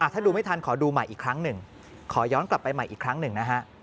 ถ้าดูไม่ทันขอดูใหม่อีกครั้งหนึ่งขอย้อนกลับไปใหม่อีกครั้งหนึ่งนะฮะ